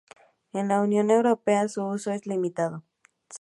En la Unión europea su uso es limitado.